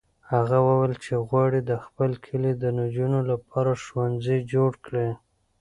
هغه وویل چې غواړي د خپل کلي د نجونو لپاره ښوونځی جوړ کړي.